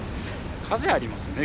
風ありますね